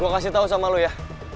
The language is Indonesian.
gue kasih tau sama lo ya